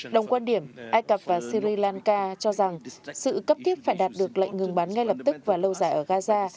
đồng quan điểm ai cập và syri lanka cho rằng sự cấp thiết phải đạt được lệnh ngừng bắn ngay lập tức và lâu dài ở gaza